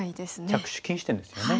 着手禁止点ですよね。